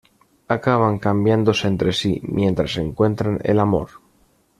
Acaban cambiándose entre sí, mientras encuentran el amor.